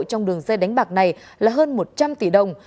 trong đường dây đánh bạc này là hơn một trăm linh tỷ đồng